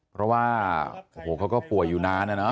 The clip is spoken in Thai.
เพราะว่าเขาก็ป่วยอยู่นานนะ